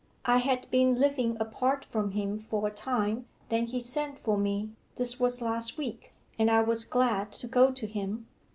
I had been living apart from him for a time then he sent for me (this was last week) and I was glad to go to him.